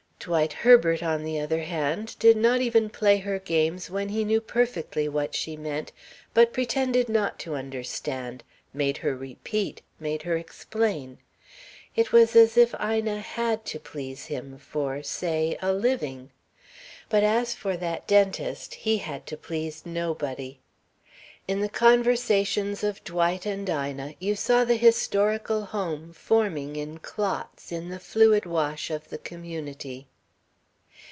Dwight Herbert, on the other hand, did not even play her games when he knew perfectly what she meant, but pretended not to understand, made her repeat, made her explain. It was as if Ina had to please him for, say, a living; but as for that dentist, he had to please nobody. In the conversations of Dwight and Ina you saw the historical home forming in clots in the fluid wash of the community.